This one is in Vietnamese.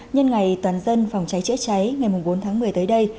nhân ngày toàn dân phòng cháy chữa cháy ngày bốn tháng một mươi tới đây